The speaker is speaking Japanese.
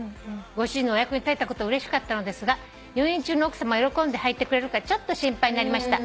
「ご主人のお役に立てたことうれしかったのですが入院中の奥さま喜んではいてくれるかちょっと心配になりました。